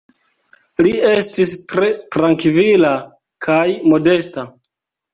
Li estis tre trankvila kaj modesta.